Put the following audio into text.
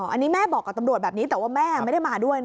อันนี้แม่บอกกับตำรวจแบบนี้แต่ว่าแม่ไม่ได้มาด้วย